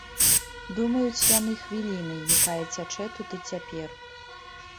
Думаюць яны хвілінай, якая цячэ тут і цяпер.